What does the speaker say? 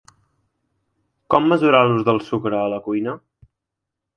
Com mesurar l’ús del sucre a la cuina?